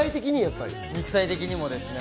肉体的にもです。